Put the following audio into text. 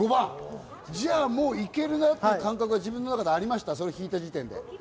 じゃあもう、行けるなって感覚は自分の中でありましたか？